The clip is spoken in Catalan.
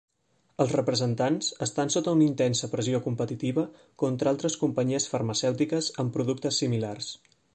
Els representants estan sota una intensa pressió competitiva contra altres companyies farmacèutiques amb productes similars.